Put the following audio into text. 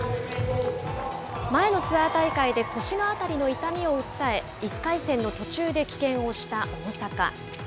前のツアー大会で、腰のあたりの痛みを訴え、１回戦の途中で棄権をした大坂。